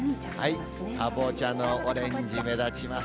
かぼちゃのオレンジ、目立ちます。